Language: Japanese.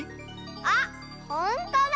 あっほんとだ！